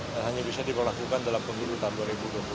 dan hanya bisa diperlakukan dalam pemilu tahun dua ribu dua puluh empat